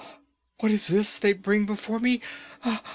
What is this they bring before me?